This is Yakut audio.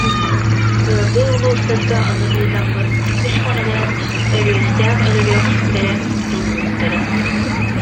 Ыаллыы улуус- тарга ону ыытаммыт үс хонугунан Өрүөстээх өлөрүөх- сүттэрэ тутуллубуттара